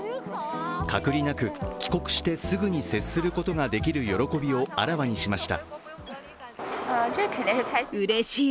隔離なく帰国してすぐに接することができる喜びをあらわにしました。